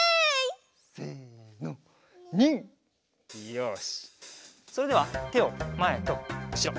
よしそれではてをまえとうしろ。